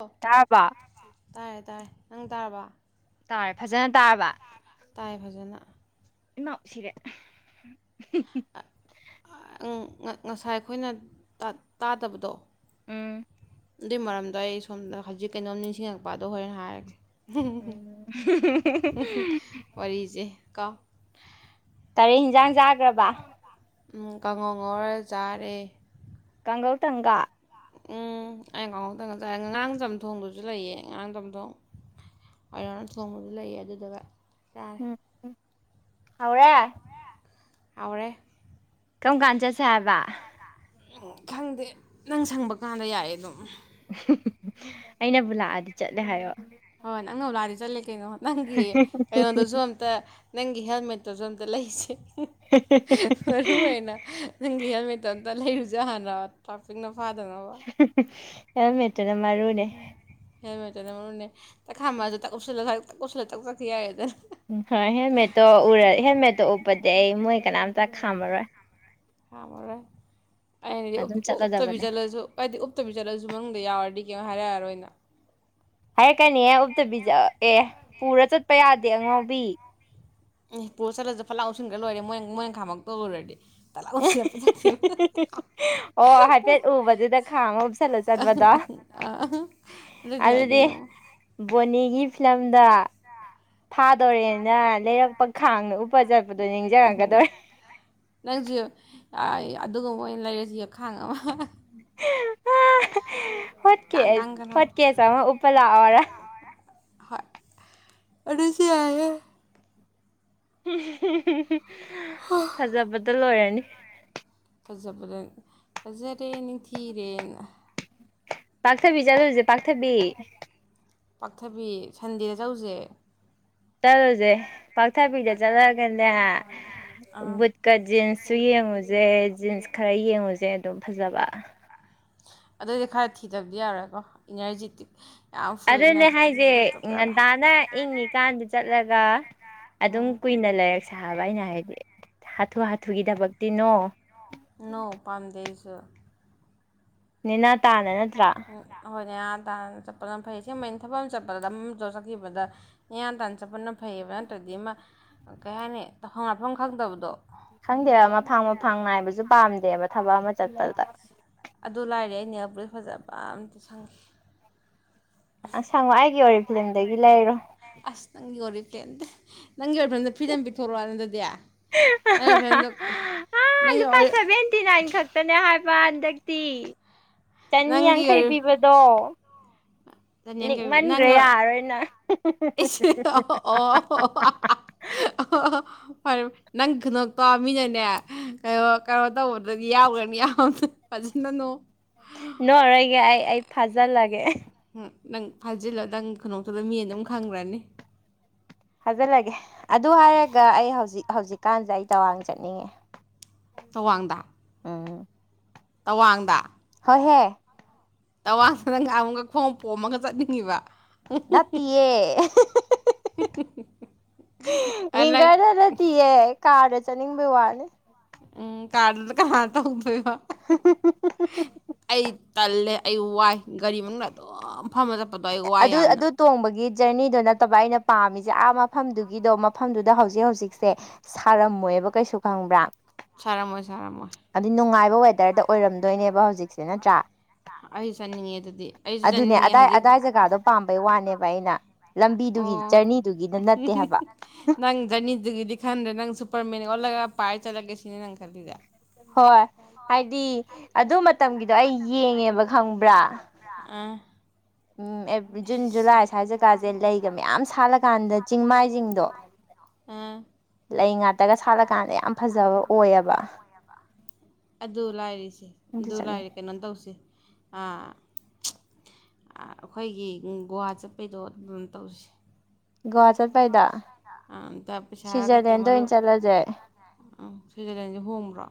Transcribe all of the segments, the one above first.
ꯑꯣ ꯇꯥꯔꯕꯣ ꯇꯥꯔꯦ ꯇꯥꯔꯦ ꯅꯪ ꯇꯥꯔꯕ ꯇꯥꯔꯦ ꯐꯖꯅ ꯇꯥꯔꯕ ꯇꯥꯏ ꯐꯖꯅ ꯏꯃꯥꯎ ꯁꯤꯔꯦ ꯉꯁꯥꯏ ꯑꯩꯈꯣꯏꯅ ꯇꯥꯗꯕꯗꯣ ꯎꯝ ꯑꯗꯨꯏ ꯃꯔꯝꯗꯣ ꯑꯩ ꯁꯣꯝꯗ ꯍꯧꯖꯤꯛ ꯀꯩꯅꯣꯝ ꯅꯤꯡꯁꯤꯡꯉꯛꯄꯗꯣ ꯍꯣꯔꯦꯟ ꯍꯥꯏꯔꯒꯦ ꯎꯝ ꯋꯥꯔꯤꯁꯦ ꯀꯣ ꯀꯔꯤ ꯍꯤꯟꯖꯥꯡ ꯆꯥꯈ꯭ꯔꯕ ꯎꯝ ꯀꯥꯡꯒꯧꯉꯧꯔ ꯆꯥꯔꯦ ꯀꯥꯡꯒꯧ ꯇꯪꯒꯥ ꯎꯝ ꯑꯩ ꯉꯥꯎꯍꯧꯗꯪ ꯉꯖꯥꯏꯔꯦ ꯉꯔꯥꯡ ꯆꯝꯊꯣꯡꯗꯨꯁꯨ ꯂꯩꯌꯦ ꯉꯔꯥꯡ ꯆꯝꯊꯣꯡ ꯊꯣꯡꯕꯁꯨ ꯂꯩꯌꯦ ꯑꯗꯨꯗꯕ ꯍꯥꯎꯔꯦ ꯍꯥꯎꯔꯦ ꯀꯝ ꯀꯥꯟ ꯆꯠꯁꯦ ꯍꯥꯏꯕ ꯈꯪꯗꯦ ꯅꯪ ꯁꯪꯕ ꯀꯥꯟꯗ ꯌꯥꯏꯌꯦ ꯑꯗꯨꯝ ꯑꯩꯅꯕꯨ ꯂꯥꯛꯑꯗꯤ ꯆꯠꯂꯦ ꯍꯥꯏꯌꯣ ꯅꯪꯅꯕꯨ ꯂꯥꯛꯑꯗꯤ ꯆꯠꯂꯦ ꯀꯩꯅꯣ ꯅꯪꯒꯤ ꯀꯩꯅꯣꯗꯁꯨ ꯑꯝꯇ ꯅꯪꯒꯤ ꯍꯦꯜꯃꯦꯠꯇꯨꯁꯨ ꯑꯝꯇ ꯂꯩꯁꯦ ꯃꯔꯨ ꯑꯣꯏꯅ ꯅꯪꯒꯤ ꯍꯦꯜꯃꯦꯠꯇꯣ ꯑꯝ ꯂꯩꯔꯨꯁꯦ ꯍꯥꯟꯅꯥ ꯍꯦꯝꯂꯦꯠ ꯍꯦꯝꯂꯦꯠ ꯇꯨꯅ ꯃꯔꯨꯅꯦ ꯊꯛ ꯈꯥꯝꯃꯥꯒ ꯑꯗꯨ ꯊꯛ ꯎꯞꯁꯜꯂꯒ ꯑꯁꯥꯏꯐꯥꯎ ꯊꯛ ꯆꯠꯈꯤ ꯌꯥꯔꯦꯗꯅ ꯎꯝ ꯍꯣꯏ ꯍꯦꯜꯃꯦꯠꯇꯣ ꯎꯔ ꯍꯦꯜꯃꯦꯠꯇꯣ ꯎꯞꯄꯗꯤ ꯑꯩ ꯃꯣꯏ ꯀꯅꯥꯝꯇ ꯈꯥꯝꯃꯔꯣꯏ ꯈꯥꯝꯃꯥꯔꯣꯏ ꯑꯩꯅꯗꯤ ꯑꯗꯨꯝ ꯎꯞꯛꯇꯕꯤ ꯆꯠꯂꯗꯕꯅꯦ ꯆꯠꯂꯁꯨ ꯍꯥꯏꯗꯤ ꯎꯞꯛꯇꯕꯤ ꯆꯠꯂꯁꯨ ꯃꯅꯨꯡꯗ ꯌꯥꯎꯔꯗꯤ ꯀꯌꯥꯝ ꯍꯥꯏꯔꯛꯑꯔꯣꯏꯅ ꯍꯥꯏꯔꯛꯀꯅꯤꯍꯦ ꯎꯞꯇꯕꯤꯖ ꯑꯦ ꯄꯨꯔ ꯆꯠꯄ ꯌꯥꯗꯦ ꯑꯉꯥꯎꯕꯤ ꯎ ꯄꯨꯔꯣ ꯆꯠꯂꯁꯨ ꯐꯠ ꯂꯥꯎ ꯑꯣꯟꯁꯤꯟꯈ꯭ꯔ ꯂꯣꯏꯔꯦ ꯃꯣꯏ ꯃꯣꯏ ꯉꯪꯈꯥꯃ ꯇꯧꯔꯨꯔꯗꯤ ꯐꯠ ꯂꯥꯎ ꯎꯞꯁꯤꯜꯂꯝꯃꯒ ꯆꯠꯈꯤꯕ ꯑꯣ ꯍꯥꯏꯐꯦꯠ ꯎꯕꯗꯨꯗ ꯈꯥ ꯑꯃ ꯍꯥꯨꯞꯁꯜꯂꯨ ꯆꯠꯄꯗꯣ ꯑꯥ ꯌꯥꯏ ꯑꯗꯨꯗꯤ ꯀꯩꯅꯣ ꯕꯣꯅꯤꯒꯤ ꯐꯤꯂꯝꯗ ꯐꯥꯗꯣꯔꯦꯅ ꯂꯩꯔꯛꯄ ꯈꯥꯡꯅ ꯎꯞꯄꯥ ꯆꯠꯄꯗꯣ ꯅꯤꯡꯖꯔꯒꯗꯣꯏ ꯅꯪꯁꯨ ꯑꯗꯨꯒꯨꯝꯕ ꯑꯣꯏꯅ ꯂꯩꯔꯁꯨ ꯌꯥꯈꯥꯡ ꯑꯃ ꯀꯥꯡ ꯍꯣꯠꯀꯦꯁ ꯀꯥꯡꯒ ꯂꯥꯎ ꯍꯣꯠꯀꯦꯁ ꯑꯃ ꯎꯞꯄ ꯂꯥꯛꯑꯣꯔꯥ ꯍꯣꯏ ꯑꯗꯨꯁꯨ ꯌꯥꯌꯦ ꯐꯖꯕꯗ ꯂꯣꯏꯔꯅꯤ ꯐꯖꯕꯗ ꯐꯖꯔꯦ ꯅꯤꯡꯊꯤꯔꯦꯅ ꯄꯥꯛꯊꯕꯤ ꯆꯥꯠꯗꯧꯁꯦ ꯄꯥꯛꯊꯕꯤ ꯄꯥꯛꯊꯕꯤ ꯁꯟꯗꯦꯗ ꯆꯂꯁꯦ ꯆꯠꯂꯨꯁꯦ ꯄꯥꯛꯊꯕꯤꯗ ꯆꯠꯂꯛꯑꯒꯅꯦ ꯑꯥ ꯕꯨꯠꯀ ꯖꯤꯟꯁ ꯁꯨ ꯌꯦꯡꯉꯨꯁꯦ ꯖꯤꯟꯁ ꯈꯔ ꯌꯦꯡꯉꯨꯁꯦ ꯑꯗꯨꯝ ꯐꯖꯕ ꯑꯗꯨꯑꯣꯏꯗꯤ ꯈꯔ ꯊꯤꯗꯕꯗꯤ ꯌꯥꯔꯣꯏꯀꯣ ꯏꯅꯔꯖꯤꯇꯤ ꯑꯗꯨꯅꯦ ꯍꯥꯏꯁꯦ ꯉꯟꯇꯥꯅ ꯏꯪꯉꯤꯀꯥꯟꯗꯨ ꯆꯠꯂꯒ ꯑꯗꯨꯝ ꯎꯝ ꯀꯨꯏꯅ ꯂꯥꯏꯔꯛ ꯁꯥꯕ ꯑꯩꯅ ꯍꯥꯏꯕꯗꯤ ꯍꯥꯊꯨ ꯍꯥꯊꯨꯒꯤ ꯊꯕꯛꯇꯤꯅꯣ ꯅꯧ ꯄꯥꯝꯗꯦꯁꯨ ꯅꯅꯤꯅꯥ ꯇꯥꯅ ꯅꯠꯇ꯭ꯔꯥ ꯅꯤꯦꯌꯥꯟ ꯇꯥꯟꯅ ꯆꯠꯄꯅ ꯐꯩ ꯁꯦꯝꯒꯨꯝꯕꯥꯏꯅ ꯊꯕꯛ ꯑꯃ ꯆꯠꯄꯗ ꯂꯝꯧ ꯆꯠꯈꯤꯕꯗ ꯅꯤꯌꯥꯟ ꯇꯥꯟꯅ ꯆꯠꯄꯅ ꯐꯩꯌꯦꯕ ꯑꯗꯨ ꯅꯠꯇ꯭ꯔꯗꯤ ꯃꯥ ꯀꯩ ꯍꯥꯏꯅꯤ ꯇꯧꯐꯝ ꯉꯥꯛꯐꯝ ꯈꯪꯗꯕꯗꯣ ꯈꯪꯗꯦꯕ ꯃꯐꯥꯡ ꯃꯐꯥꯡ ꯉꯥꯏꯏꯕꯁꯨ ꯄꯥꯝꯗꯦꯕ ꯊꯕꯛ ꯑꯃ ꯆꯠꯄꯗ ꯑꯗꯨ ꯂꯥꯏꯔꯦ ꯑꯅꯦꯕꯁ ꯐꯖꯕ ꯑꯝꯇ ꯁꯪꯈꯤ ꯁꯪꯉꯣ ꯑꯩꯒꯤ ꯑꯣꯏ ꯐꯤꯂꯝꯗꯒꯤ ꯂꯩꯔꯣ ꯀꯝꯇ ꯅꯪꯒꯤ ꯑꯣꯏꯔꯐꯝꯗ ꯐꯤꯗ ꯄꯤꯊꯣꯔꯛꯑꯣꯅ ꯑꯗꯨꯗꯤ ꯅꯪꯒꯤ ꯑꯣꯔꯤꯐ꯭ꯂꯦꯝꯗꯣ ꯑ ꯅꯪꯒꯤ ꯂꯄꯥ ꯑꯣꯔꯤ ꯁꯚꯦꯟꯇꯤ ꯈꯛꯇꯅꯦ ꯍꯥꯏ ꯍꯟꯗꯛꯇꯤ ꯆꯅꯤ ꯌꯥꯡꯈꯩ ꯄꯤꯕꯗꯣ ꯌꯦ ꯅ ꯂꯤꯛꯃꯟꯈ꯭ꯔꯦ ꯌꯥꯔꯔꯣꯏ ꯅꯪ ꯑꯣ ꯑꯣ ꯑ ꯐꯔꯦ ꯅꯪ ꯈꯨꯟꯗꯣꯛꯇꯣ ꯃꯤꯅꯅꯦ ꯀꯩꯅꯣ ꯀꯩꯅꯣ ꯇꯧꯕꯗꯨꯗꯤ ꯌꯥꯎꯈ꯭ꯔꯅꯤ ꯌꯥꯝꯕꯗ ꯅꯔꯒꯦ ꯑꯩ ꯐꯖꯜ ꯂꯒꯦ ꯅꯪ ꯐꯥꯖꯤꯜꯂꯣ ꯅꯪ ꯈꯨꯗꯇꯂ ꯃꯤ ꯑꯗꯨꯝ ꯈꯪꯈ꯭ꯔꯅꯤ ꯊꯖꯜꯂꯒꯦ ꯑꯗꯨ ꯍꯥꯏꯔꯒ ꯑꯩ ꯍꯧꯖꯤꯛ ꯍꯧꯖꯤꯛꯀꯥꯟꯁꯦ ꯑꯩ ꯇꯋꯥꯡ ꯆꯠꯅꯤꯡꯉꯦ ꯆꯋꯥꯡꯗ ꯑ ꯇꯋꯥꯡꯗ ꯑꯍꯦ ꯇꯋꯥꯗ ꯅꯪꯒ ꯑꯃꯨꯛꯀ ꯈꯣꯡꯝ ꯄꯣꯝꯃꯒ ꯆꯠꯅꯤꯡꯉꯤꯕ ꯗꯞꯇꯌꯦ ꯅꯪ ꯃꯤꯒꯥꯥꯏꯗꯗꯗꯤ ꯀꯥꯔ ꯆꯅꯤꯡꯕ ꯋꯥꯅꯦ ꯎꯝ ꯀꯥꯔꯗꯗ ꯀꯅꯥ ꯇꯧꯗꯣꯏꯣ ꯑꯩ ꯇꯜꯂꯦ ꯑꯩ ꯋꯥꯏ ꯒꯥꯔꯤ ꯃꯅꯨꯡꯗ ꯑꯗꯨꯝ ꯐꯝꯃ ꯆꯠꯄꯗꯣ ꯑꯩ ꯋꯥꯏ ꯑꯗꯨ ꯌꯥꯝꯅ ꯑꯗꯨ ꯇꯣꯡꯕꯒꯤ ꯖꯔꯅꯤꯗꯣ ꯅꯠꯇꯕ ꯑꯩꯅ ꯄꯥꯝꯃꯤꯁꯦ ꯑꯥ ꯃꯐꯝꯗꯨꯒꯤꯗꯣ ꯃꯐꯝꯗꯨꯗ ꯍꯧꯖꯤꯛ ꯍꯧꯖꯤꯛꯁꯦ ꯁꯥꯔꯝꯃꯣꯏ ꯕ ꯀꯩꯁꯨ ꯈꯪꯕ꯭ꯔꯥ ꯁꯥꯔꯝꯃꯣꯏ ꯁꯥꯔꯝꯃꯣꯏ ꯑꯗꯨ ꯅꯨꯡꯉꯥꯏꯕ ꯋꯦꯗꯔꯗ ꯑꯣꯏꯔꯝꯗꯣꯏꯅꯦꯕ ꯍꯧꯖꯤꯛꯁꯦ ꯅꯠꯇ꯭ꯔꯥ ꯑꯩ ꯆꯠꯅꯤꯡꯉꯦ ꯑꯗꯨꯗꯤ ꯑꯩꯁꯨ ꯆꯠꯅꯤꯡꯉꯦ ꯍꯧꯖꯤꯛ ꯀꯀꯥꯗꯣ ꯄꯥꯝꯕꯩ ꯋꯥꯅꯦꯕ ꯑꯩꯅ ꯂꯝꯕꯤꯗꯨꯒꯤ ꯑꯣ ꯖꯔꯅꯤꯗꯨꯒꯤꯗ ꯅꯠꯇꯦ ꯍꯥꯏꯕ ꯗꯨꯒꯤꯗꯤ ꯈꯟꯗ꯭ꯔꯦ ꯅꯪ ꯁꯨꯄꯔ ꯃꯦꯟ ꯑꯣꯜꯂꯒ ꯄꯥꯏꯔ ꯆꯠꯂꯒꯦ ꯁꯤꯅꯦ ꯅꯪ ꯈꯜꯂꯤꯗ ꯍꯣꯏ ꯍꯥꯏꯗꯤ ꯑꯗꯨ ꯃꯇꯝꯒꯤꯗꯣ ꯑꯩ ꯌꯦꯡꯉꯦꯕ ꯈꯪꯕ꯭ꯔꯥ ꯑ ꯎꯝ ꯖꯨꯟ ꯖꯨꯂꯥꯏ ꯁ꯭ꯋꯥꯏ ꯖꯒꯥꯁꯦ ꯂꯩꯒ ꯃꯌꯥꯝ ꯁꯥꯠꯂꯀꯥꯟꯗ ꯆꯤꯡꯃꯥꯏꯁꯤꯡꯗꯣ ꯑ ꯂꯩ ꯉꯥꯇꯒ ꯁꯥꯠꯂꯀꯥꯟꯗ ꯌꯥꯝ ꯐꯖꯕ ꯑꯣꯏꯌꯦꯕ ꯑꯗꯨ ꯂꯥꯏꯔꯤꯁꯦ ꯑꯗꯨ ꯂꯥꯏꯔꯤ ꯀꯩꯅꯣ ꯇꯧꯁ ꯑꯥ ꯑꯩꯈꯣꯏꯒꯤ ꯒꯨꯍꯥ ꯆꯠꯄꯩꯗꯣ ꯑꯗꯨꯝ ꯇꯧꯁ ꯒꯣꯍ ꯆꯠꯄꯩꯗ ꯁ꯭ꯋꯤꯖꯔꯂꯦꯟꯗ ꯑꯣꯏꯅ ꯆꯠꯂꯁꯦ ꯁꯤꯖꯂꯦꯟꯁꯦ ꯍꯣꯡꯕ꯭ꯔꯥ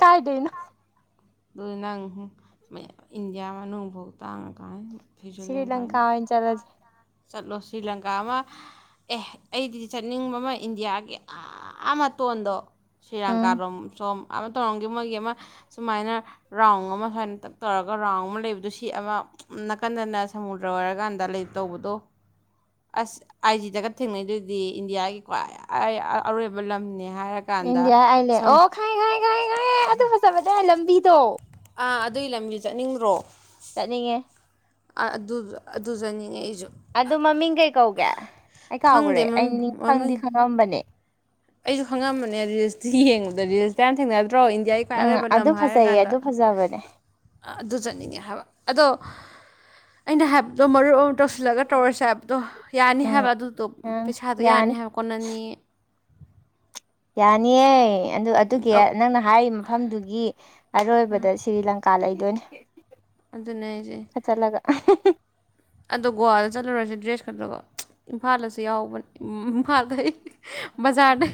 ꯀꯥꯏꯗꯅ ꯑꯗꯨꯅꯪ ꯏꯟꯗꯤꯌꯥ ꯕꯣꯛ ꯇꯥꯡ ꯉꯥ ꯀꯥꯟ ꯁꯤ ꯁꯔꯤ ꯂꯪꯀꯥꯑꯣꯏ ꯆꯂꯁ ꯁꯤ꯭ꯔꯤ ꯂꯪꯀꯥ ꯑꯃ ꯑꯦ ꯑꯩꯗꯤ ꯆꯠꯅꯤꯡꯕ ꯑꯃ ꯏꯟꯗꯤꯌꯥꯒꯤ ꯑꯥ ꯃꯇꯣꯟꯗꯣ ꯎꯝ ꯁꯤꯔꯪꯀꯥꯔꯣꯝ ꯁꯣꯝ ꯑꯃ ꯇꯧꯔꯝꯒꯦ ꯃꯣꯏꯒꯤ ꯑꯃ ꯁꯨꯃꯥꯏꯅ ꯔꯥꯎꯟ ꯑꯃ ꯁꯨꯃꯥꯏ ꯇꯞ ꯇꯧꯔꯒ ꯔꯥꯎꯟ ꯑꯃ ꯂꯩꯕꯗꯨ ꯁꯤ ꯑꯃ ꯅꯥꯀꯟꯗꯅ ꯁꯃꯨꯗ꯭ꯔ ꯑꯣꯏꯔꯀꯥꯟꯗ ꯇꯂ ꯇꯧꯕꯗꯣ ꯑꯁ ꯑꯥꯏ ꯖꯤꯗꯒ ꯊꯦꯡꯅꯩ ꯑꯗꯨꯗꯤ ꯏꯟꯗꯤꯌꯥꯒꯤ ꯈ꯭ꯋꯥꯏ ꯑꯔꯣꯏꯕ ꯂꯝꯅꯦ ꯍꯥꯏꯔꯀꯥꯟꯗ ꯏꯟꯗꯤꯌꯥ ꯑꯥꯏꯂꯦ ꯁꯃꯨ ꯑꯣ ꯈꯥꯏ ꯈꯥꯏ ꯈꯥꯏ ꯈꯥꯏꯦ ꯑꯗꯨ ꯐꯖꯕꯅꯦ ꯂꯝꯕꯤꯗꯣ ꯑꯥ ꯑꯗꯨꯒꯤ ꯂꯝꯗꯤ ꯆꯠꯅꯤꯡꯗ꯭ꯔꯣ ꯆꯠꯅꯤꯡꯉꯦ ꯑꯗꯨ ꯑꯗꯨꯖꯅꯤꯉ ꯑꯗꯨ ꯃꯃꯤꯡ ꯀꯩ ꯀꯧꯒꯦ ꯑꯩ ꯈꯪꯗꯦ ꯀꯥꯎꯈ꯭ꯔꯦ ꯑꯩ ꯅꯤꯡ ꯈꯪꯗꯤ ꯃꯃꯤꯡ ꯈꯪꯉꯝꯕꯅꯦ ꯑꯩꯁꯨ ꯈꯪꯉꯝꯕꯅꯦ ꯔꯤꯁꯇꯤ ꯌꯦꯡꯕꯗ ꯔꯤꯁꯌꯥꯝ ꯊꯦꯡꯅ ꯅꯠꯇ꯭ꯔꯣ ꯏꯟꯗꯤꯌꯥꯒꯤ ꯈ꯭ꯋꯥꯏ ꯑꯔ ꯎꯝ ꯑꯣꯏꯕ ꯂꯝ ꯑꯗꯨ ꯍꯥꯏꯔ ꯐꯖꯩꯌꯦ ꯀꯥꯟꯗ ꯑꯗꯨ ꯐꯖꯕꯅꯦ ꯑꯗꯨ ꯆꯠꯅꯤꯡꯉꯦ ꯍꯥꯏꯕ ꯑꯗꯣ ꯑꯩꯅ ꯍꯥꯏ ꯑꯗꯣ ꯃꯔꯨꯞ ꯑꯃꯨ ꯇꯧꯁꯤꯜꯂꯒ ꯇꯧꯔꯁꯦ ꯍꯥꯏꯕꯗꯣ ꯌꯥꯅꯤ ꯎꯝ ꯍꯥꯏꯕ ꯑꯗꯨꯗꯣ ꯄꯩꯁꯥꯗꯣ ꯌꯥꯅꯤ ꯍꯥꯏꯕ ꯀꯣꯟꯅꯅꯤ ꯌꯥꯅꯤꯌꯦ ꯑꯗꯨ ꯑꯗꯨꯒꯤ ꯅꯪꯅ ꯍꯥꯏ ꯃꯐꯝꯗꯨꯒꯤ ꯑꯔꯣꯏꯕꯗ ꯁꯤ꯭ꯔꯤ ꯂꯪꯀꯥ ꯂꯩꯗꯣꯏꯅꯦ ꯑꯗꯨꯅꯦ ꯑꯩꯁꯦ ꯈ ꯆꯠꯂꯒ ꯑꯗꯣ ꯒꯣꯋꯥꯗ ꯆꯠꯂꯨꯔꯁꯦ ꯗ꯭ꯔꯦꯁ ꯈꯛꯇꯒꯣ ꯏꯝꯐꯥꯜꯗꯁꯨ ꯌꯥꯎꯕꯅꯦ ꯏꯝꯐꯥꯜꯗ ꯃꯖꯥꯅ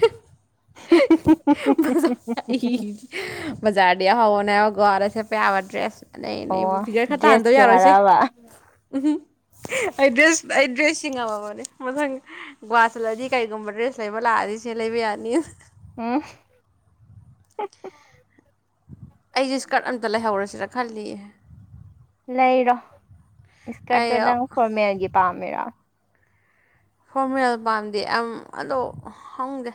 ꯃ ꯃꯖꯥꯗ ꯍꯧꯕꯅꯦ ꯔꯁꯦ ꯆꯄ ꯌꯥꯕ ꯗ꯭ꯔꯦꯁ ꯑꯅꯩ ꯑꯅꯩꯕꯨ ꯑꯣ ꯐꯤꯒꯔ ꯈꯔ ꯇꯥꯍꯟꯗꯣꯏ ꯗ꯭ꯔꯦꯁꯀꯤ ꯌꯥꯔꯣꯏꯁꯦ ꯋꯥꯔꯕ ꯎꯝ ꯑꯩ ꯗ꯭ꯔꯦꯁ ꯑꯩ ꯗ꯭ꯔꯦꯁꯁꯤ ꯉꯝꯃꯕꯅꯤ ꯃꯊꯪ ꯒꯨꯍꯥꯆꯜꯂꯗꯤ ꯀꯩꯒꯨꯝꯕ ꯗ꯭ꯔꯦꯁ ꯂꯩꯕ ꯂꯥꯛꯑꯗꯤ ꯄꯁꯦ ꯂꯩꯕꯤ ꯌꯥꯅꯤ ꯎꯝ ꯑꯩꯁꯦ ꯏꯁꯀꯔꯠ ꯑꯝꯇ ꯂꯩꯍꯧꯔꯁꯤꯔ ꯈꯜꯂꯤꯌꯦ ꯂꯩꯔꯣ ꯑꯩ ꯏꯁꯀꯔꯠꯇꯣ ꯅꯪ ꯐꯣꯔꯃꯦꯜꯒꯤ ꯄꯥꯝꯃꯤꯔ ꯐꯣꯔꯃꯦꯜ ꯄꯥꯝꯗꯤ ꯌꯥꯝ ꯑꯣ ꯍꯪꯗꯦ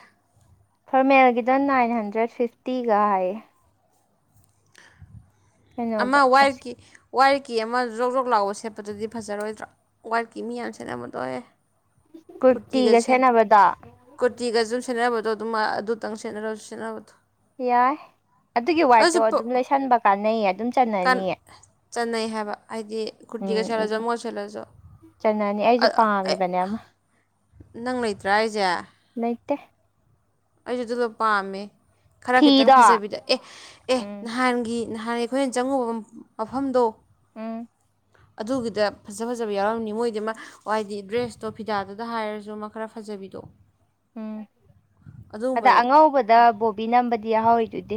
ꯐꯣꯔꯃꯦꯜꯒꯤꯗ ꯅꯥꯏꯟ ꯍꯟꯗ꯭ꯔꯦꯠ ꯐꯤꯐꯇꯤꯒ ꯍꯥꯏꯌꯦ ꯑꯃ ꯀꯩꯅꯣꯗ ꯑꯁ ꯋꯥꯏꯒꯤ ꯋꯥꯏꯔꯤꯀꯤ ꯑꯃ ꯖ꯭ꯔꯣꯛ ꯖꯣꯛ ꯂꯥꯎꯕ ꯁꯦꯠꯄꯗꯨꯗꯤ ꯐꯖꯔꯣꯏꯗ꯭ꯔꯥ ꯋꯥꯏꯔꯤꯛꯀꯤ ꯃꯤ ꯌꯥꯝꯅ ꯁꯦꯠꯂꯝꯃꯗꯣꯏꯦ ꯀꯨꯔꯇꯤꯒ ꯁ ꯀꯨꯔꯇꯤꯒꯖꯝ ꯁꯦꯅꯔꯕꯗꯣ ꯑꯗꯨꯃ ꯑꯗꯨꯇꯪ ꯁꯦꯠꯅꯔꯁꯨ ꯁꯦꯠꯅꯕꯗꯣ ꯌꯥꯏ ꯑꯗꯨꯒꯤ ꯋꯥꯏꯠꯇꯣ ꯑꯗꯨꯝ ꯂꯩꯁꯟꯕ ꯀꯥꯟꯅꯩꯌꯦ ꯑꯗꯨꯝ ꯆꯟꯅꯅꯤꯌꯦ ꯆꯠꯅꯩ ꯍꯥꯏꯕ ꯍꯥꯏꯗꯤ ꯀꯨꯔꯇꯤꯒ ꯁꯦꯠꯂꯁꯨ ꯃꯣꯏꯒ ꯁꯦꯠꯂꯁꯨ ꯐꯅꯅꯤ ꯑꯩꯁꯨ ꯄꯥꯝꯃꯤꯕꯅꯦ ꯑꯃ ꯅꯪ ꯂꯩꯇ꯭ꯔꯥ ꯑꯩꯁꯦ ꯠꯇ ꯑꯩꯁꯨ ꯑꯗꯨꯗ ꯄꯥꯝꯃꯦ ꯈꯔ ꯈꯤꯇꯪ ꯐꯤꯗꯣ ꯐꯖꯕꯤꯗ ꯑꯦ ꯑꯦ ꯎꯝ ꯅꯍꯥꯟꯒꯤ ꯅꯍꯥꯟ ꯑꯩꯈꯣꯏꯅ ꯆꯪꯉꯨꯕ ꯃꯐꯝꯗꯣ ꯎꯝ ꯑꯗꯨꯒꯤꯗ ꯐꯖ ꯐꯖꯕ ꯌꯥꯎꯔꯝꯅꯤ ꯃꯣꯏꯗꯤ ꯍꯥꯏꯏꯗꯤ ꯗ꯭ꯔꯦꯁꯇꯣ ꯐꯤꯗꯥꯗꯨꯗ ꯍꯥꯏꯔꯁꯨ ꯑꯃ ꯈꯔ ꯐꯖꯕ ꯖꯕꯤꯗꯣꯛ ꯎꯝ ꯑꯗ ꯑꯉꯧꯕꯗ ꯕꯣꯕꯤ ꯅꯝꯕꯗꯤ ꯌꯥꯍꯥꯎꯋꯔꯤꯗꯨꯗꯤ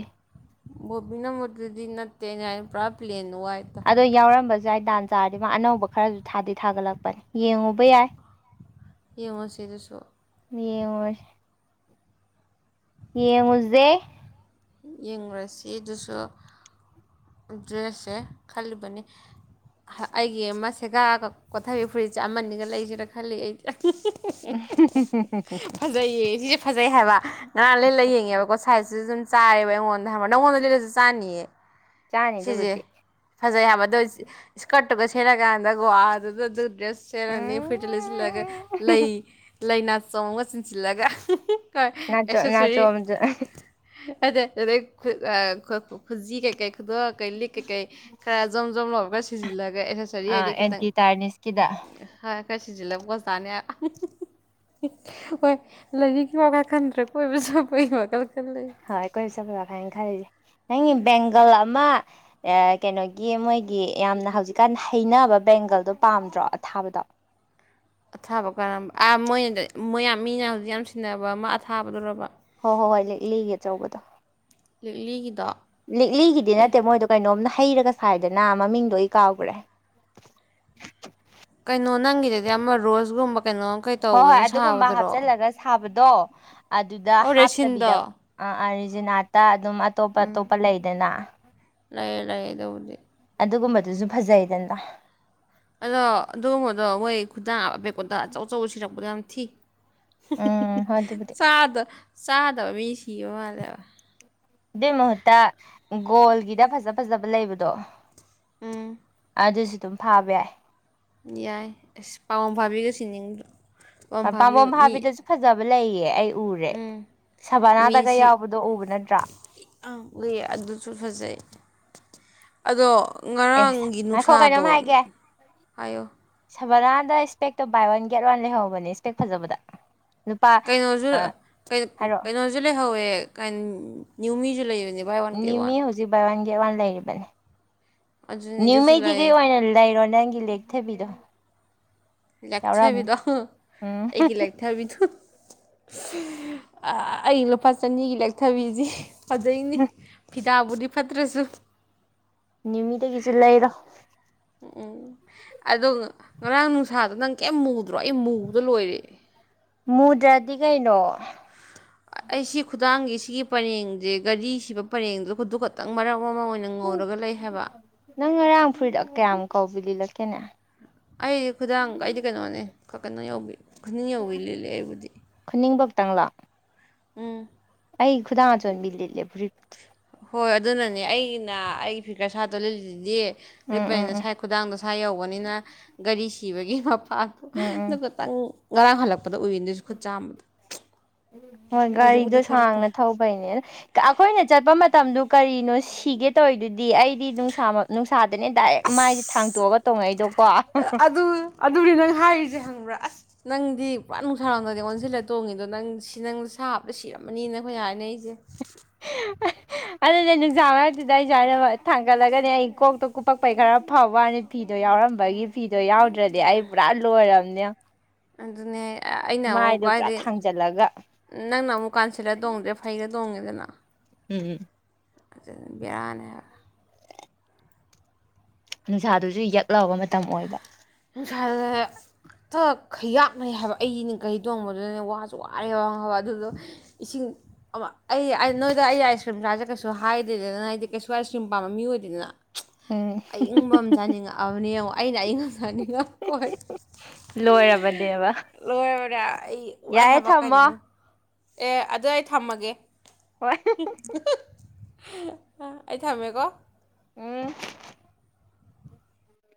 ꯣꯕꯤꯅ ꯃꯗꯗꯤ ꯅꯠꯇꯦ ꯄ꯭ꯔꯥ ꯄ꯭ꯂꯦꯟ ꯋꯥꯏꯠꯇ ꯑꯗꯣ ꯍꯥꯏꯕ ꯌꯥꯎꯔꯝꯕꯁꯨꯋꯥꯏ ꯗꯥꯟꯁ ꯆꯥꯔꯗꯤ ꯃꯥ ꯑꯅꯧꯕ ꯈꯔꯁꯨ ꯊꯥꯗꯤ ꯊꯥꯒꯠꯂꯛꯄꯅꯦ ꯌꯦꯡꯉꯨꯕ ꯌꯥꯏ ꯌꯦꯡꯉꯨ ꯁꯤꯗꯁꯨ ꯌꯦꯡꯉꯣꯏ ꯌꯦ ꯃꯨꯁꯦ ꯌꯦꯡꯨꯔꯁꯤ ꯑꯗꯨꯁꯨ ꯗ꯭ꯔꯦꯁꯁꯦ ꯈꯜꯂꯤꯕꯅꯤ ꯑꯩꯒꯤ ꯑꯃ ꯁꯦꯒꯥ ꯀꯣꯊꯕꯤ ꯐꯨꯔꯤꯠꯁꯦ ꯑꯃꯅꯤꯒ ꯂꯩꯁꯤꯦꯅ ꯈꯜꯂꯤ ꯑꯩ ꯐꯖꯩꯌꯦ ꯁꯤꯁꯦ ꯐꯖ ꯭ꯔꯦ ꯍꯥꯏꯕ ꯉꯔꯥꯡ ꯂꯩ ꯂ ꯃꯁꯛꯇꯨꯒ ꯌꯦꯡꯉꯦꯕꯀꯣ ꯁꯥꯏꯖꯁꯤꯁꯨ ꯑꯗꯨꯨꯝ ꯑꯩꯉꯣꯟꯗ ꯍ ꯅꯉꯣꯟꯗ ꯂꯤꯂꯁꯨ ꯆꯥꯅꯤꯌꯦ ꯆꯥꯅꯤ ꯁꯤꯁꯦ ꯑꯗꯨꯕꯨꯗꯤ ꯐꯖꯩ ꯍꯥꯏ ꯑꯗꯨꯣ ꯏꯁꯀꯔꯠꯇꯨꯒ ꯁꯦꯠ ꯀꯥꯟꯗꯒ ꯋꯥ ꯑꯗꯨꯗ ꯑꯗꯨ ꯗ꯭ꯔꯦꯁ ꯁꯦꯔꯅꯤ ꯎꯝ ꯐꯨꯔꯤꯗ ꯂꯩꯁꯤꯜꯂꯒ ꯂꯩ ꯂꯥꯏꯅꯥ ꯆꯣꯡꯉꯒ ꯆꯤꯟꯁꯤꯜꯂꯒ ꯀ ꯅꯥꯆꯣ ꯑꯦꯛꯁꯦꯁꯔꯤ ꯅꯥꯆꯣꯝ ꯑꯗ ꯑꯗꯨꯗꯩ ꯈꯨꯖꯤ ꯀꯩꯀꯩ ꯗ ꯀꯩ ꯂꯤ ꯀꯩ ꯈꯔ ꯝ ꯝ ꯂꯕꯒ ꯁꯤꯖꯤꯜꯂꯒ ꯑꯦꯁꯦꯁꯔꯤ ꯍꯥꯏꯗꯤ ꯈꯤꯇꯪ ꯑꯦꯟꯇꯤ ꯇꯥꯔꯅꯤꯁꯀꯤꯗ ꯈꯔ ꯁꯤꯖꯤꯜꯂꯕꯀꯁꯨ ꯇꯥꯅꯤ ꯍꯣꯏ ꯂꯥꯏꯔꯤꯛꯀꯤ ꯋꯥ ꯈꯟꯗ꯭ꯔ ꯀꯣꯏꯕꯁꯨ ꯀꯣꯏ ꯋꯥꯜ ꯍ ꯀꯣꯏꯁ ꯭ꯔꯕꯥ ꯐꯥꯏꯪ ꯈꯥꯏꯦ ꯅꯪꯒꯤ ꯕꯦꯡꯒꯜ ꯑꯃ ꯀꯩꯅꯣꯒꯤ ꯃꯣꯏꯒꯤ ꯌꯥꯝꯅ ꯍꯧꯖꯤꯛꯀꯥꯟ ꯍꯩꯅꯕ ꯕꯦꯡꯒꯜꯗꯣ ꯄꯥꯝꯗ꯭ꯔꯣ ꯑꯊꯥꯕꯗꯣ ꯑꯊꯥꯕ ꯀꯔꯝꯕ ꯑꯥ ꯃꯣꯏꯅ ꯃꯣꯏ ꯃꯤꯅ ꯍꯧꯖꯤꯛ ꯌꯥꯝ ꯁꯤꯟꯅꯕ ꯑꯃ ꯑꯊꯥꯕꯗꯨꯣꯔꯕ ꯍꯣꯏ ꯍꯣꯏ ꯍꯣꯏ ꯂꯤꯒꯦ ꯑꯆꯧꯕꯗꯣ ꯂꯤꯛ ꯂꯤꯒꯗ ꯂꯤꯛꯂꯤꯒꯤꯗꯤ ꯅꯠꯇꯦ ꯃꯣꯏꯗꯣ ꯀꯩꯅꯣꯝꯅ ꯍꯩꯔꯒ ꯁꯥꯏꯗꯅ ꯃꯃꯤꯡꯗꯣ ꯑꯩ ꯀꯥꯎꯈ꯭ꯔꯦ ꯀꯩꯅꯣ ꯅꯪꯒꯤꯗꯗꯤ ꯑꯃ ꯔꯣꯁꯒꯨꯝꯕ ꯀꯩꯅꯣꯝ ꯀꯩ ꯍꯣꯏ ꯍꯣꯏ ꯇꯧꯕꯅ ꯑꯗꯨꯒꯨꯝꯕ ꯁꯥꯕꯗꯨꯔꯣ ꯍꯥꯞꯆꯜꯂꯒ ꯁꯥꯕꯗ ꯑꯣ ꯑꯗꯨꯗ ꯑꯣ ꯔꯦꯁꯤꯟꯗꯣ ꯍꯥꯞꯇꯕꯤꯗꯕ ꯑꯔꯤꯖꯤꯅꯥꯠꯇ ꯑꯗꯨꯝ ꯑꯇꯣꯞ ꯑꯇꯣꯞꯄ ꯂꯩꯗꯅ ꯂꯩꯌꯦ ꯂꯩꯌꯦꯗꯕꯨꯗꯤ ꯑꯗꯨꯒꯨꯝꯕꯗꯨꯁꯨ ꯐꯖꯩꯗꯟꯗ ꯑꯗꯣ ꯑꯗꯨꯉꯗꯣ ꯃꯣꯏ ꯈꯨꯗꯥꯕꯦꯛꯀꯣꯗ ꯑꯆꯧ ꯑꯆꯧ ꯁꯤꯔꯛꯄꯗꯣ ꯌꯥꯝ ꯊꯤ ꯎꯝ ꯍꯣꯏ ꯑꯗꯨꯕꯨꯗꯤ ꯆꯥꯗ ꯆꯥꯗꯕ ꯃꯤ ꯁꯤꯕ ꯃꯥꯂꯦꯕ ꯑꯗꯨꯏ ꯃꯍꯨꯠꯇ ꯒꯣꯜꯒꯤꯗ ꯐꯖ ꯐꯖꯕ ꯂꯩꯕꯗꯣ ꯎꯝ ꯑꯗꯨꯁꯨ ꯑꯗꯨꯝ ꯐꯥꯕ ꯌꯥꯏ ꯌꯥꯏ ꯑꯁ ꯄꯥꯎꯝ ꯐꯥꯕꯤꯒꯁꯤ ꯅꯤꯡꯕ ꯄꯥꯝꯕꯣꯝ ꯍꯥꯞꯕꯤꯗꯁꯨ ꯐꯖꯕ ꯂꯩꯌꯦ ꯑꯩ ꯎꯔꯦ ꯎꯝ ꯁꯕꯅꯥꯗꯒ ꯌꯥꯎꯕꯗꯣ ꯎꯕ ꯅꯠꯇ꯭ꯔꯥ ꯑ ꯎ ꯑꯗꯨꯁꯨ ꯐꯖꯩ ꯑꯗꯣ ꯑꯦ ꯉꯔꯥꯡꯒꯤ ꯉꯥꯏꯈꯣ ꯅꯨꯡꯁꯥꯗꯣ ꯀꯩꯅꯣꯝ ꯍꯥꯏꯌꯣ ꯁꯕꯔꯥꯗ ꯏꯁꯄꯦꯛꯇꯣ ꯕꯥꯏ ꯋꯥꯟ ꯒꯦꯠ ꯋꯥꯟ ꯂꯩꯍꯧꯕꯅꯦ ꯏꯁꯄꯦꯛ ꯐꯖꯕꯗ ꯂꯨꯄꯥ ꯀꯩꯅꯣꯁꯨ ꯍꯥꯏꯔꯛꯑꯣ ꯀꯩꯅꯣꯁꯨ ꯂꯩꯍꯧꯋꯦ ꯅꯅꯤꯌꯨꯃꯤꯁꯨ ꯂꯩꯋ ꯅꯤꯃꯤ ꯍꯧꯖꯤꯛ ꯕꯥꯏꯋꯥꯟ ꯒꯦꯠ ꯋꯥꯟ ꯂꯩꯔꯤꯕꯅꯤ ꯑꯗꯨꯅꯤ ꯑꯗꯨꯁꯨ ꯅ꯭ꯌꯨꯉꯩꯗꯤ ꯀꯩ ꯂꯩ ꯑꯣꯏꯅ ꯂꯩꯔꯣ ꯅꯪꯒꯤ ꯂꯦꯛꯊꯕꯤꯗꯣ ꯌꯥꯎꯔꯝꯅꯤ ꯂꯥꯛꯊꯕꯤꯗꯣ ꯎꯝ ꯑꯩꯒꯤ ꯂꯊꯕꯤꯗꯨ ꯑꯩ ꯂꯨꯄꯥ ꯆꯅꯤꯒꯤ ꯂꯦꯛꯊꯕꯤꯁꯤ ꯐꯖꯩꯅꯤ ꯕꯣꯗꯤ ꯐꯥꯠꯇ꯭ꯔꯁꯨ ꯅꯤꯃꯤꯗꯒꯤꯁꯨ ꯂꯩꯔꯣ ꯎꯝ ꯎꯝ ꯑꯗꯣ ꯉꯔꯥꯡ ꯅꯨꯡꯁꯥꯗꯣ ꯅꯪ ꯀꯔꯤꯝ ꯃꯨꯗ꯭ꯔꯣ ꯑꯩ ꯃꯨꯕꯗ ꯂꯣꯏꯔꯦ ꯃꯨꯗ꯭ꯔꯗꯤ ꯀꯩꯅꯣ ꯑꯩꯁꯤ ꯈꯨꯗꯥꯡꯒꯤ ꯁꯤꯒꯤ ꯄꯔꯦꯡꯁꯦ ꯒꯥꯔꯤꯁꯤꯕ ꯄꯔꯦꯡꯗꯨꯗ ꯈꯨꯗꯨ ꯈꯛꯇꯪ ꯃꯔꯝ ꯑꯣꯏ ꯅꯪ ꯉꯔꯥꯡ ꯐꯨꯔꯤꯗ ꯀꯌꯥꯃꯨꯛ ꯀꯧꯕꯥꯎꯤ ꯂꯤꯂꯛꯀꯦꯅꯦ ꯑꯩꯗꯤ ꯈꯨꯗꯥꯡ ꯑꯩꯗꯤ ꯀꯩꯅꯣꯅꯦ ꯀꯩꯅꯣꯧꯕꯤ ꯈꯨꯗꯤ ꯌꯧꯕꯤ ꯂꯤꯂꯦ ꯑꯩꯕꯨꯗꯤ ꯇꯥ ꯎꯝ ꯑꯩ ꯈꯨꯗꯥꯡ ꯑꯆꯣꯟꯕꯤ ꯂꯤꯂꯦ ꯐꯔꯤꯠ ꯍꯣꯏ ꯑꯗꯨꯅꯅꯦ ꯑꯩꯅ ꯑꯩꯒꯤ ꯐꯤꯀꯔ ꯁꯥꯠꯇꯣ ꯂꯤꯗꯤ ꯎꯝ ꯎꯝ ꯂꯤꯠꯄꯅꯤꯅ ꯎꯝ ꯁꯥꯏ ꯈꯨꯗꯥꯡꯗ ꯃꯁꯥ ꯌꯧꯕꯅꯤꯅ ꯒꯥꯔꯤ ꯁꯤꯕꯒꯤ ꯃꯄꯥꯗꯣ ꯎꯝ ꯎꯝ ꯑꯗꯨ ꯇꯪ ꯉꯔꯥꯡ ꯍꯜꯂꯛꯄ ꯄꯗ ꯎꯔꯤꯗꯣꯏꯁꯨ ꯈꯨꯠ ꯆꯥꯝꯕꯗ ꯍꯣꯏ ꯍꯧꯖꯤꯛꯄꯨꯗꯤ ꯒꯥꯔꯤꯗꯣ ꯈꯔ ꯐꯔꯦ ꯁꯥꯡꯅ ꯊꯧꯕꯩꯅꯦ ꯑ ꯑꯩꯈꯣꯏꯅ ꯆꯠꯄ ꯃꯇꯝꯗ ꯀꯔꯤꯅꯣ ꯁꯤꯤꯒꯦ ꯇ ꯑꯣꯏꯗꯨꯗꯤ ꯗꯤ ꯑꯩꯗꯤ ꯅꯨꯡꯁꯥ ꯅꯨꯡꯁꯥꯗꯅꯦ ꯗꯥꯏꯔꯦꯛ ꯃꯥꯏꯁꯦ ꯊꯥꯡꯇꯣꯛꯑꯒ ꯇꯣꯡꯉꯛꯏꯗꯣꯀꯣ ꯑꯗꯨꯅꯤ ꯅꯪ ꯍꯥꯏꯔꯤꯁꯦ ꯍꯪꯕ꯭ꯔꯥ ꯑꯁ ꯅꯪꯗꯤ ꯄꯨꯔꯥ ꯅꯨꯡꯁꯥꯔꯥꯎꯅꯗꯦ ꯑꯣꯟꯁꯤꯜꯂꯒ ꯇꯣꯡꯉꯤꯗꯣ ꯅꯪ ꯁꯤ ꯅꯪ ꯁꯥꯞꯕꯇ ꯁꯤꯔ ꯑꯃꯅꯤꯅ ꯑꯩꯈꯣꯏ ꯍꯥꯏꯅ ꯑꯩꯁꯦ ꯑꯗꯨꯅꯦ ꯅꯨꯡꯁꯥꯡ ꯉꯇꯨꯗ ꯑꯩꯁꯨꯥꯏꯅ ꯊꯥꯡꯒꯠꯂꯒꯅꯦ ꯑꯩ ꯀꯣꯛꯇ ꯀꯨꯞꯄꯛꯄꯩ ꯈꯔ ꯐꯥꯎꯕꯅꯤ ꯐꯤꯗ ꯤꯗꯣ ꯌꯥꯎꯔꯝꯕꯒꯤ ꯐꯤꯗꯣ ꯌꯥꯎꯗ꯭ꯔꯗꯤ ꯑꯩ ꯄꯨꯔꯥ ꯂꯣꯏꯔꯕꯝꯅꯦ ꯑꯗꯨꯅꯦ ꯑꯩꯅ ꯑꯃꯨꯛꯀ ꯍꯥꯏꯗꯤ ꯊꯥꯡꯖꯜꯂꯒ ꯅꯪꯅ ꯑꯃꯨꯛ ꯀꯥꯟꯁꯤꯜꯂ ꯇꯣꯡꯗ꯭ꯔꯦ ꯐꯩꯒ ꯇꯣꯡꯉꯦꯗꯅ ꯎꯝ ꯑꯗꯨ ꯕꯤꯔꯥꯅꯦꯕ ꯅꯨꯡꯁꯥꯗꯨꯁꯨ ꯌꯦꯛꯂꯕ ꯃꯇꯝ ꯑꯣꯏꯕ ꯈꯂ ꯍꯇ ꯈꯩꯌꯥꯞꯅꯩ ꯍꯥꯏꯕ ꯑꯩꯅꯦ ꯀꯩ ꯇꯣꯡꯕꯗꯨꯗꯅꯦ ꯋꯥꯁꯨ ꯋꯥꯔꯦ ꯋꯥ ꯍꯥꯏꯕ ꯑꯗꯨꯗꯣ ꯏꯁꯤꯡ ꯑꯩ ꯅꯣꯏꯗ ꯑꯩ ꯑꯥꯏꯁ ꯀ꯭ꯔꯤꯝꯁꯁꯦ ꯀꯩꯁꯨ ꯍꯥꯏꯗꯦꯗꯅ ꯑꯩꯗꯤ ꯀꯩꯁꯨ ꯑꯥꯏꯁ ꯀ꯭ꯔꯤꯝ ꯄꯥꯝꯕ ꯃꯤ ꯑꯣꯏꯗꯗꯅ ꯎꯝ ꯑꯌꯪꯕ ꯑꯃ ꯆꯥꯅꯤꯡꯉꯛꯑꯕꯅꯦ ꯌꯦꯡꯉ ꯑꯩꯅ ꯑꯏꯪꯕ ꯆꯥꯅꯤꯡꯉꯛ ꯀꯣꯏ ꯂꯣꯏꯔꯕꯅꯦꯕ ꯂꯣꯏꯔ ꯂꯣꯏꯔꯦ ꯑꯩ ꯋꯥꯏ ꯌꯥꯔꯦ ꯍꯥꯏꯕ ꯊꯝꯃꯣ ꯀꯥꯏꯗꯅꯣ ꯑꯦ ꯑꯗꯨ ꯑꯩ ꯊꯝꯃꯒꯦ ꯍꯣꯏ ꯑ ꯑꯩ ꯊꯝꯃꯦꯀꯣ ꯎꯝ